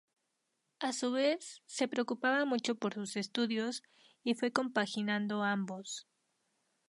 A su vez, se preocupaba mucho por sus estudios y fue compaginando ambos.